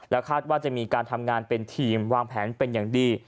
คาดว่าจะมีการทำงานเป็นทีมวางแผนเป็นอย่างดี